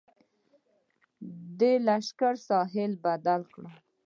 د لښکر ساحه یې بدله کړه.